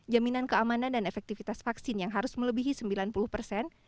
jaminan keamanan dan efektivitas vaksin yang harus melebihi sembilan puluh persen